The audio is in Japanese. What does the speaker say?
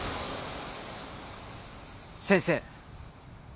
先生